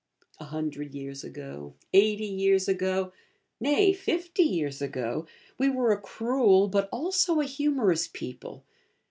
A hundred years ago, eighty years ago nay, fifty years ago we were a cruel but also a humorous people.